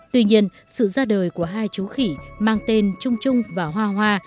tuy nhiên sự ra đời của hai chú khỉ mang tên trung trung và hoa hoa